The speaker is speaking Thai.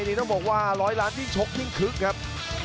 นี่ต้องบอกว่าร้อยล้านยิ่งชกยิ่งคึกครับ